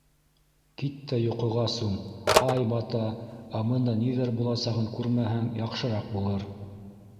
Кит тә йоҡоға сум: ай бата, ә бында ниҙәр буласағын күрмәһәң, яҡшыраҡ булыр.